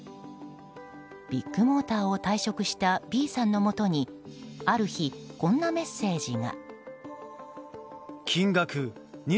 ビッグモーターを退職したＢさんのもとにある日、こんなメッセージが。